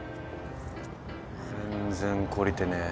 全然懲りてねえ。